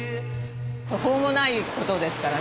途方もない事ですからね。